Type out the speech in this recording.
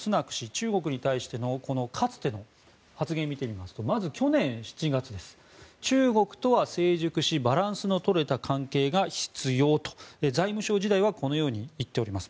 中国に対してのかつての発言を見てみますとまず、去年７月中国とは成熟しバランスの取れた関係が必要と財務相時代はこのように言っております。